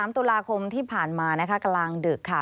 ๒๓ตุลาคมที่ผ่านมากำลังดึก